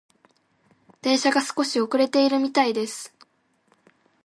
電車が少し遅れているみたいです。